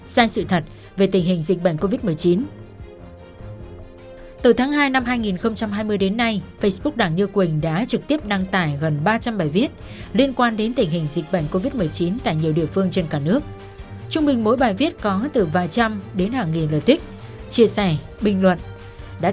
sai sự thật về tình hình dịch bệnh covid một mươi chín